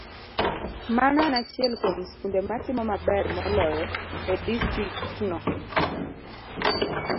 Mano en achiel kuom skunde matimo maber moloyo e distriktno.